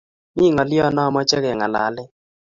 mi ngalyonnamache kengalale